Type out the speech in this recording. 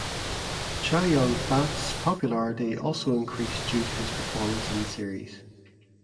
Chow Yun-fat's popularity also increased due to his performance in the series.